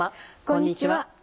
こんにちは。